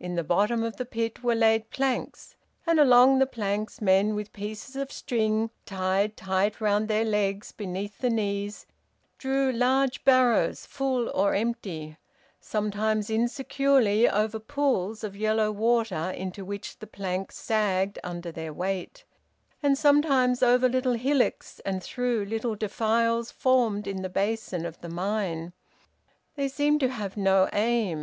In the bottom of the pit were laid planks, and along the planks men with pieces of string tied tight round their legs beneath the knees drew large barrows full or empty, sometimes insecurely over pools of yellow water into which the plank sagged under their weight, and sometimes over little hillocks and through little defiles formed in the basin of the mine. They seemed to have no aim.